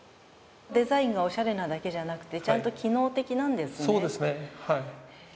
デザインがおしゃれなだけじゃなくて、ちゃんと機能的なんですね